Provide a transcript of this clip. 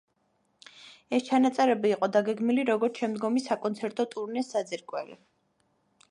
ეს ჩანაწერი იყო დაგეგმილი, როგორც შემდგომი საკონცერტო ტურნეს საძირკველი.